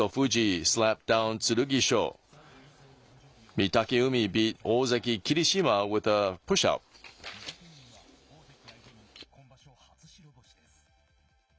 御嶽海は大関相手に今場所初白星です。